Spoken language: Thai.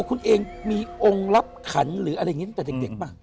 คุณเองมีองค์รับขันหรืออะไรอย่างนี้ตั้งแต่เด็กป่ะ